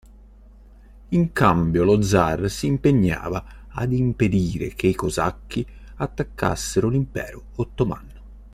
In cambio lo zar si impegnava ad impedire che i Cosacchi attaccassero l'Impero Ottomano.